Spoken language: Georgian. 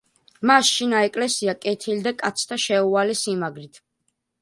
მას შინა ეკლესია კეთილი და კაცთა შეუვალი სიმაგრით.